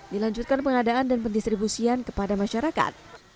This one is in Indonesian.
dilanjutkan pengadaan dan pendistribusian kepada masyarakat